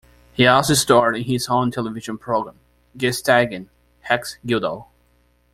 He also starred in his own television program, "Gestatten - Rex Gildo".